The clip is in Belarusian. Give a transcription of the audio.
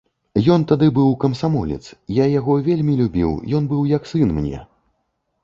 Ён тады быў камсамолец, я яго вельмі любіў, ён быў як сын мне.